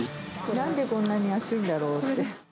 なんでこんなに安いんだろう？